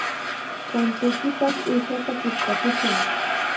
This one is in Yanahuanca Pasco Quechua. santuykipaq uushata pishtakushun.